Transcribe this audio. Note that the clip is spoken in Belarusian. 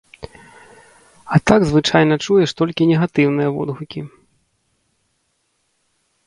А так звычайна чуеш толькі негатыўныя водгукі.